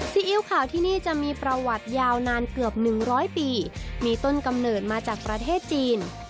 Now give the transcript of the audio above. ซีอิ๊วขาวที่นี่จะมีประวัติยาวนานเกือบ๑๐๐ปีมีต้นกำเนิดมาจากประเทศจีน